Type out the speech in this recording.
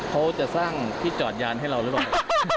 เขาจะสร้างที่จอดยานให้เราลดลง